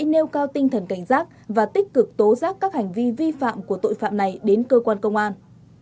nêu cao tinh thần cảnh giác và tích cực tố giác các hành vi vi phạm của tội phạm này đến cơ quan công an